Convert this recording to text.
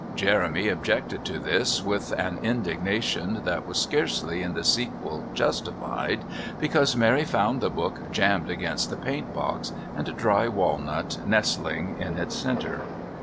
Jeremy objected to this with an indignation that was scarcely in the sequel justified, because Mary found the book jammed against the paint box and a dry walnut nestling in its centre.